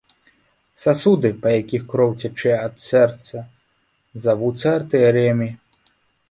Сасуды, па якіх кроў цячэ ад сэрца, завуцца артэрыямі.